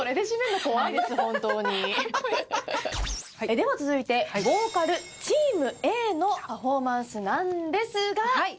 では続いてボーカルチームＡのパフォーマンスなんですが。